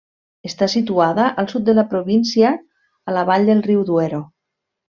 Està situada al sud de la província, a la vall del riu Duero.